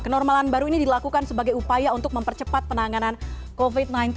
kenormalan baru ini dilakukan sebagai upaya untuk mempercepat penanganan covid sembilan belas